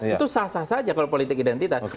itu sah sah saja kalau politik identitas